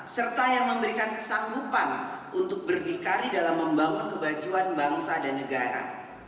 serta yang memberikan kesanggupan untuk berdikari dalam membangun kebajuan bangsa dan negara